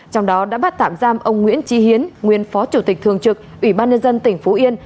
trong đó đã bắt tạm giam ông nguyễn trí hiến nguyên phó chủ tịch thường trực ủy ban nhân dân tỉnh phú yên